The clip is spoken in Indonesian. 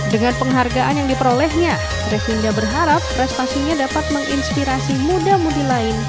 dengan penghargaan yang diperolehnya revin diakarina berharap prestasinya dapat menginspirasi muda muda lain